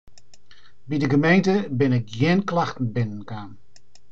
By de gemeente binne gjin klachten binnen kaam.